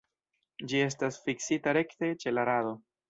Ĝi estas fiksita rekte ĉe la rado.